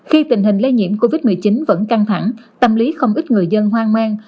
hình hình lây nhiễm covid một mươi chín vẫn căng thẳng tâm lý không ít người dân hoang mang